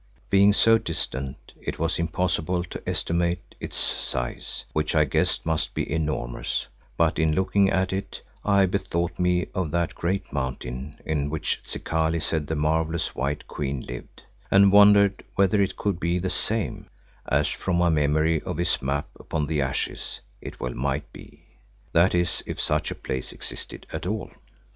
Being so distant it was impossible to estimate its size, which I guessed must be enormous, but in looking at it I bethought me of that great mountain in which Zikali said the marvellous white Queen lived, and wondered whether it could be the same, as from my memory of his map upon the ashes, it well might be, that is, if such a place existed at all.